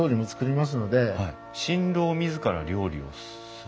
新郎自ら料理をする？